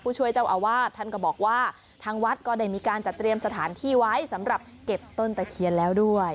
ช่วยเจ้าอาวาสท่านก็บอกว่าทางวัดก็ได้มีการจัดเตรียมสถานที่ไว้สำหรับเก็บต้นตะเคียนแล้วด้วย